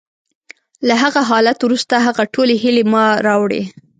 له هغه حالت وروسته، هغه ټولې هیلې ما راوړې